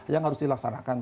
yang harus dilaksanakan